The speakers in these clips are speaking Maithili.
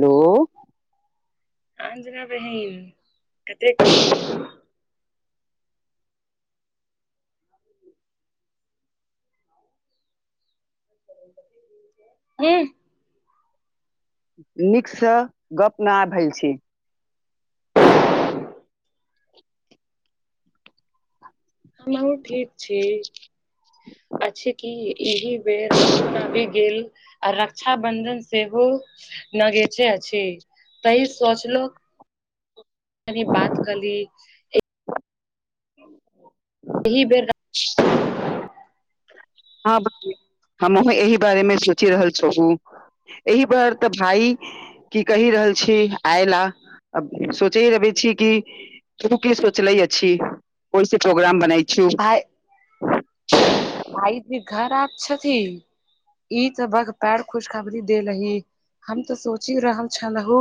हेलो। अर्चना बहिन कतेक ह नीकसँ गप नै आ भेल छी [unintelligible] हम ठीक छी आ छै कि ईह बे बिगेल आ रक्षा बंधन सेहो नगेचे अछि तऽ ई सोचलो कनि बात कली ह एही बेर। ह हमहु एहि बारे मे सोचि रहल छलहु एहि बर तऽ भाई कि कहि रहल छी आयला सोचेइ रहबै छी कि तू कि सोचले अछि कोइस प्रोग्राम बनइ भइ भाइ जी घर आ छथि ई त बर पैर खुशखबरी देलहि हम तऽ सोचि रहल छलहुँ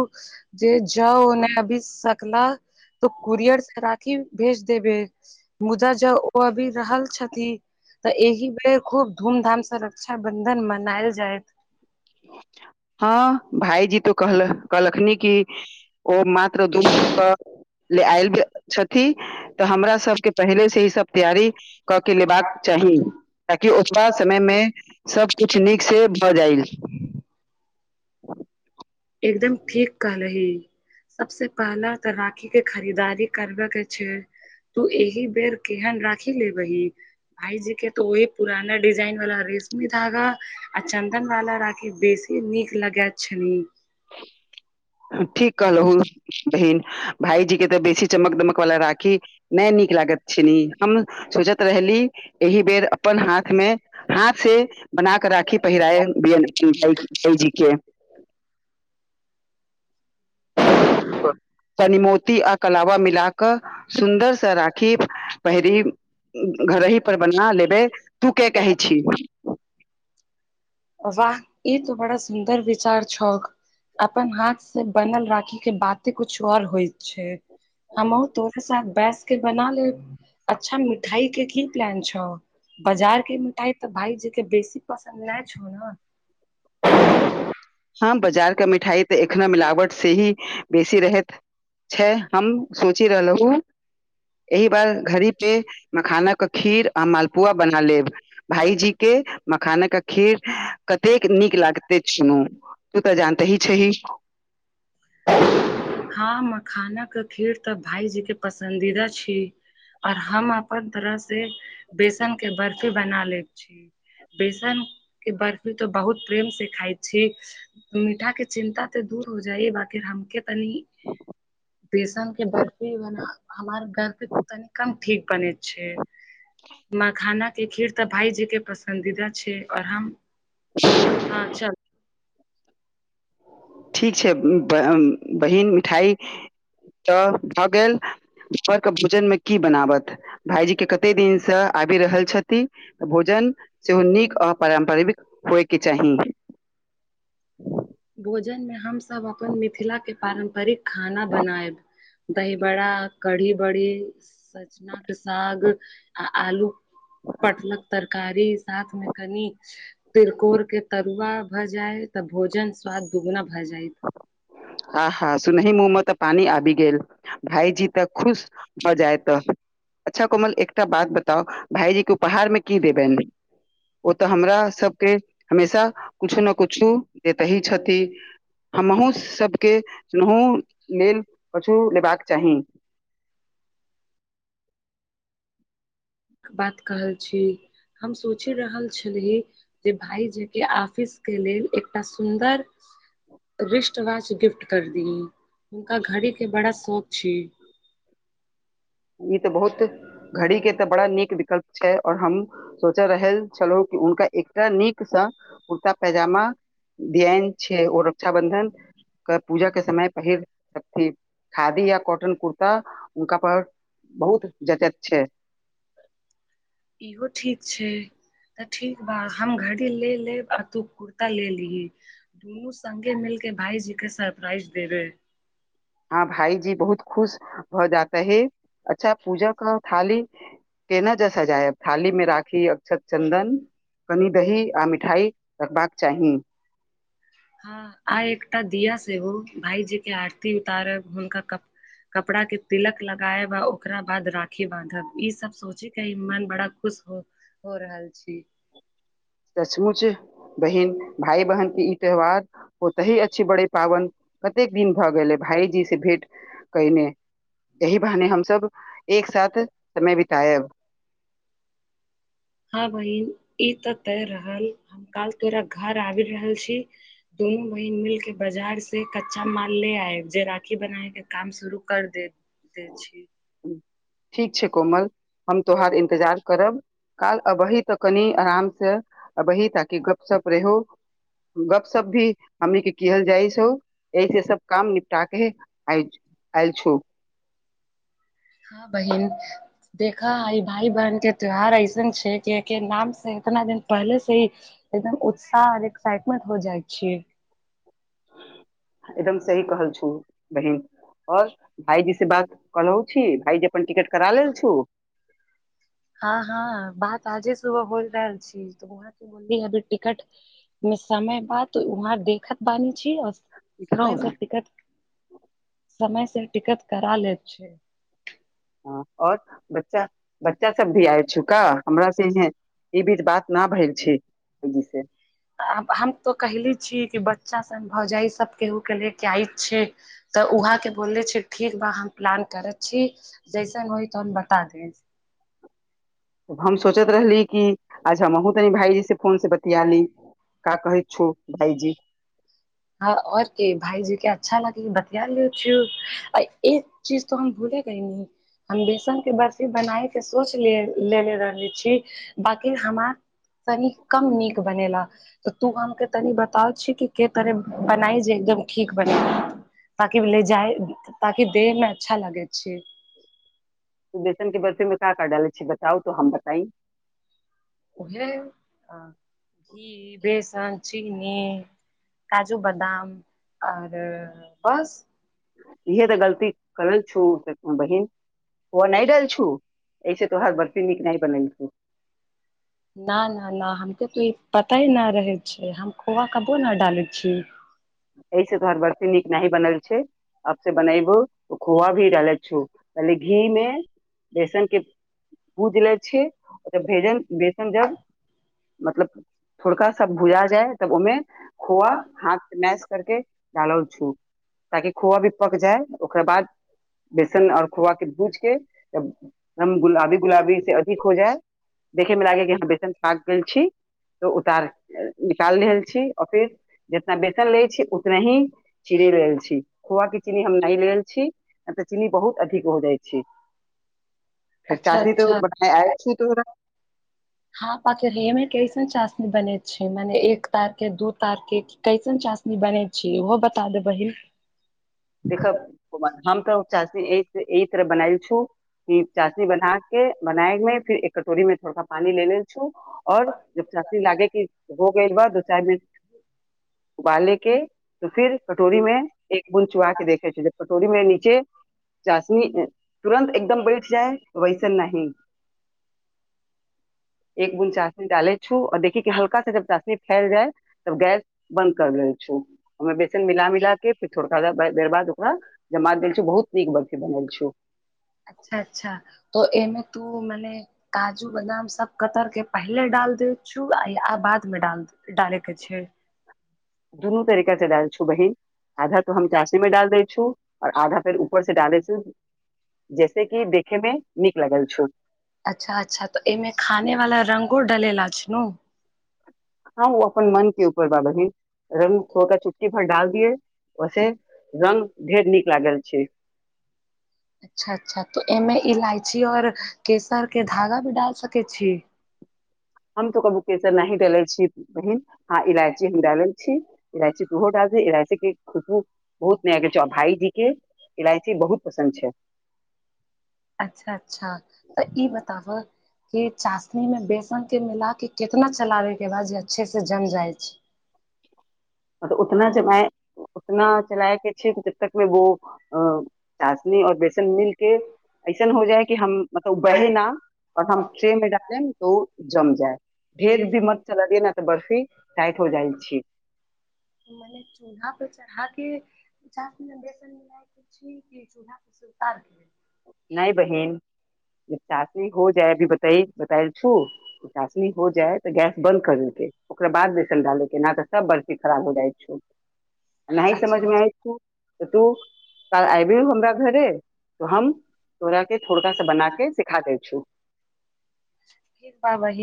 जे जाउ ओने अभी सकला। तऽ कुरियर सँ राखी भेज देब ज ओ अभी रहल छथिन त एहि बेर खूब धूम धाम से रक्षा बंधन मनायल जायत ह भायजी तो कहल कहलखिन कि ओ मात्र दू ले आयल छथि तऽ हमरा सभके पहिले से ई सभ तैयारी क के लेबाक चाही ताकि ओतबा समय मे सभ कुछ नीक से भऽ जाइ ह एकदम ठीक कहल ह सभसे पहला त राखी के खरीदारी करबे के छै तु एहि बेर केहेन राखि लेबहि भाईजी के तो ओही पुराना डिजाइन वला रेशमी धागा। आ चन्दन वाला राखी बेसी नीक लागो छैय। ठीक कहलहु बहिन भईजी के ता बेसी चमक दमक वाला राखी। नहि निक लागत छिन हम सोचत रहली एहि बेर अपन हाथमे। हाथ से बना कऽ राखी पहिराए भाईजी के। क। कनी मोती आ कलबा मिला कऽ सुन्दर से राखी पहरी। घर ही पर बना लेबै तु कऽ कहै छीही। वाह ई तऽ बड़ा सुन्दर विचार छैय। अपन हाथ से बनल राखी के बाते कुछ और होय छैय। हमहो तोड़े साथ बेस के बना लेब। अच्छा मिठाई के कि प्लान छौह। बाजार के मिठाई त भाईजी के बेसी पसन्द नहि छौ नै। ह बाजार के मिठाई तऽ एखना मिलावट से ही बेसी रहैत। छैय हम सोचि रहलहु। एहि बार घड़ी के मखाना के खीर आ मालपुआ बना लेब भाईजी के मखान कऽ के खीर कतेक नीक लागते सुनु। तू तऽ जानते ही छैही। ह मखाना के खीर तऽ भाईजी के पसन्द दीदा छी। और हम अपन तरह सँ बेसन के बर्फी बना लेब। बेसन। के बर्फी तो बहुत प्रेम से खाय छी मीठा के चिन्ता ते दूर हो जाई बात। फिर हम क तनी बेसन के बर्फी बना हमरा घर के तनी कम। ठीक बने छैय मखाना के खीर तऽ भाईजी के पसन्दी दऽ छै और हम। [unintelligible] हा चल। ठीक छै बहिन मिठाइ तऽ भऽ गेल। घर के भोजन मे कि बनाबत। भाईजी के कते दिनस आबि रहल छथिन भोजन। सेहो नीक आ पारम्परिक होए के चाही। भोजन मे हमसभ अपन मिथिला के पारम्परिकऽ खाना बनायब। दही बड़ कढ़ी बड़ी। चचना के साग आलु पटलकऽ तरकारी साथ मे कनि। तिलकोर के तरुआ भऽ जाय तऽ भोजन स्वाद दुगुना भए जाय। अहाँ सुन मुहमे तऽ पानी आबि गेल भाईजी तऽ खुश। भऽ जाय तऽ अच्छा कोमल एकटा बात बताउ भाायजी के उपहार मे कि देबनि। ओ तऽ हमरा सभके हमेशा कुछो ने कुछो देते ही छथि। हम हुँ सभकेहु लेल कछु लेबाक चाही। बात कहल छी हम सोचि रहल छली। जे भाईजी के आफिस के लेलऽ एकटा सुन्दर। रिष्टवासँ गिफ्ट कर दी हुनका घड़ी के बड़ा शौक छैय। ई त बहुत घड़ी के तऽ बड़ा नीक विकल्प छै और हम। सोच रहल छलहु कि हुनका एकटा नीकस कुर्ता पैजामा। देयन छै ओ रक्षाबंधन के पूजा के समय पहिर। खादी यो कॉटन कुर्ता हुनका पर बहुत जटत छै। [inaudible] इहो ठीक छै। तऽ ठीक ब हम घड़ी ले लेब आ तू कुर्ता ले लिही दुनू संगे मिलके भाईजी के सरप्राइज दे रहे है हँ भाईजी बहुत खुश भऽ जाता है अच्छा पूजा कर थाली के नहि जस जाय थाली मे राखी अक्षत चन्दन कनी दही आ मिठाई रखबाकऽ चाही [inaudible] हँ आइ एकटा दिया से एगो भाईजी के आरती उतार हुनका क कपड़ा के तिलक लगायब आ ओकरा बाद राखी बाँधब ई सब सोचे के ह मन बड़ा खुश हो हो रहल छी सचमुच बहिन भाय बहन के ई त्यौहार ओत ही अछि बड़ी पाबन कतेक दिन भऽ गेलै भाईजी से भेंट कयने एहि बहाने हमसब एक साथ समय बितायब हाँ बहिन ई ते तय रहल हम काल तोरा घर आबि रहल छी दुनू बहिन मिलके बाजार से कच्चा माल ले आयब जे राखी बनायके काम शुरू कर देब दै छी ठीक छै कोमल हम तोहार इन्तजार करब काल अभहि तऽ कनि आराम से अभहि ताकि गप सप रहो गपशप भी हमनीक के किहल जाइ छो एहिसे सब काम निपटा के आय आयल छौ हँ बहिन देख आइ भाय बहिन के त्यौहार ऐसन छै क के नाम से इतना दिन पहले से ही एकदम उत्साह आओर एक्साइटमेंट हो जाइ छियै एकदम सही कहल छौ बहिन आओर भायजी से बात कलहौ छी भायजी अपन टिकट करा लेल छु हँ हँ बात आजे सुबह बोल रहल छी त बोलली अभी टिकट मे समय बा वहाँ देखत बानी छी समय में टिकट समय से टिकट करा ले छ ह आओर बच्चा बच्चा सब भी आय छुका हमर से इह ई भी बात न भए छै से आब हम तो कहले छीय कि बच्चा स भौजाय सब केहू के ले के आयल छै तऽ उहा के बोलले छी ठीक बा हम प्लान करैत छी जैसन होइ तो हम बता दे तब हम सोचैत रहली कि आज हमहूँ तनी भायजीसँ फोनसँ बतिया ली का कहैतछौ भाइजी हँ आओर के भायजी के अच्छा लागे बतिया लौ छु चीज तो हम भूलेगयनी हम बेसन के बर्फी बनाय के सोच ले लेलेे रहली छी बाकि हमार तनि कम नीक बनेला तऽ तू हमके तनि बताउ छी कि करे बनाइ जे एकदम ठीक बना ताकि ले जाइ ताकि देहमे अच्छा लागै छै त बेसन के बर्फीमे का का डालै छि बताउ त हम बताइ घी बेसन चीनी काजू बादाम आओर बस ईए तऽ गलती करल छो बहिन नहि देल छु ऐसे तोहार बर्फी नीक नहि बनेल छु न न न हम के तो ई पता नै रहय छै हम खोआ कबो न डाले छिय एहिस तोहर बर्फीनीक नहि बनल छै अब स बनाई वो खोआ भी डालै छु पहले घी मे बेसन के भूज लै छीबभेजन बेसन जब मतलब थोड़का सब भुजा जाय तब ओहिमे खोआ हाथ से करके डाल छू ताकि खोआ भी पक जाय ओकरा बाद [unintelligible] बेसन आओर खोआ के भूज के, हम गुलाबी गुलाबी से अथि हो जाय, देखे मे लागै हय कि हाँ बेसन पाक गेल छी तऽ उतार निकाल रहल छी आर फेर ना बेसन लै छी उतना ही चीनी लेल छी, खोआ के चीनी हम नय लेल छी तऽ चीनी बहुत अधिक हो जाइ छी फेर अच्छा चासनी तो अच्छा बनाय आय छी तो हँ पाकी रेमे कैसन चासनी बनैत छै मने एक तारके, दू तारके? कैसन चाशनी बनै छै ओहो बता देबहि [unintelligible] [unintelligible] [unintelligible] उबाल ले के तऽ फिर कटोरी मे एक बूंद चुआ के देखै छै जे [unintelligible] [unintelligible] [inaudible] [unintelligible] [unintelligible] [unintelligible] अच्छा अच्छा तऽ एमे तू मने काजू बदाम सब कतर के पहिले डाल दे छु आ या बाद मे डाल दे डालेके छै [unintelligible] [unintelligible] [unintelligible] [unintelligible] [unintelligible] रंग ढेर नीक लागल छै अच्छा अच्छा तऽ एहिमे इलायची आओर केसर के धागा भी डाल सकै छी? हम तो कभी केसर नहि डलै छी बहिन हँ इलायची हम डालल छी, इलायची तूहो डाल दी, इलाइची के खुुसबु बहुत नयाकर छौ, आ भाईजी के इलायची बहुत पसन्द छै [unintelligible] [unintelligible] [unintelligible] चाशनी और बेसन मिल के [unintelligible] [unintelligible] [unintelligible] [unintelligible] नय बहिन [unintelligible] [unintelligible] अच्छा अच्छा [unintelligible] [unintelligible] [unintelligible] तू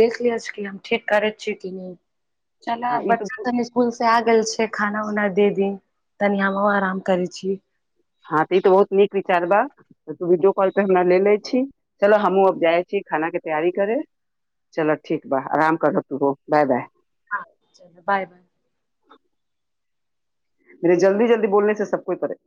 देख लिय छिय कि हम ठीक करै छियै कि नहि चल हँ ई बच्चा तऽ स्कूल से आ गेल छै खाना उना दे दी। तनी हमहु आराम करे छी हँ तऽ ई तऽ बहुत नीक विचार ब तऽ तू वीडियो कॉल पे हमरा ले ले छी चलो हमहुँ अब जाई छी खाना के तैयारी कर चल ठीक ब आराम कर तू बाय बाय ह चल बाय बाय मर जल्दी जल्दी बोल सभके कोइ पताै